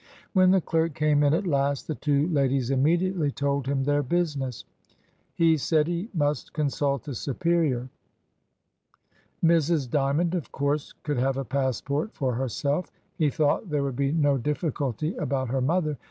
When the clerk came in at last, the two ladies immediately told him their business. He said he must consult a superior. Mrs. Dymond, of course, could have a passport for herself. He thought there would be no difficulty about her mother.